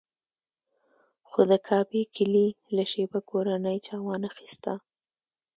خو د کعبې کیلي له شیبه کورنۍ چا وانخیسته.